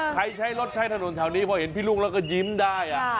ใช้รถใช้ถนนแถวนี้พอเห็นพี่ลูกแล้วก็ยิ้มได้